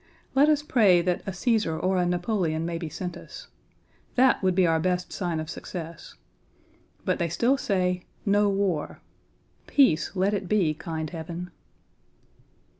Let us pray that a Cæsar or a Napoleon may be sent us. That would be our best sign of success. But they still say, "No war." Peace let it be, kind Heaven!